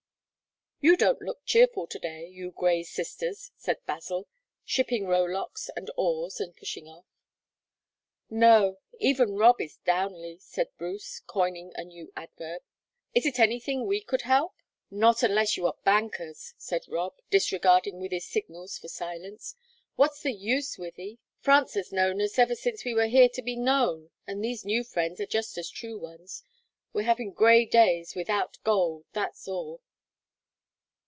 "You don't look cheerful to day, you Grey sisters," said Basil, shipping rowlocks and oars and pushing off. "No; even Rob is downly," said Bruce, coining a new adverb. "Is it anything we could help?" "Not unless you are bankers," said Rob, disregarding Wythie's signals for silence. "What's the use, Wythie? France has known us ever since we were here to be known, and these new friends are just as true ones. We're having grey days without gold that's all."